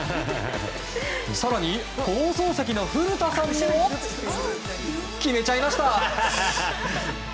更に、放送席の古田さんも決めちゃいました。